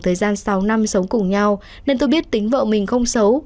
thời gian sáu năm sống cùng nhau nên tôi biết tính vợ mình không xấu